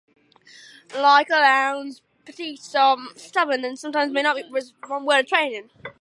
Like other hounds, Petits are stubborn, and sometimes may not respond well to training.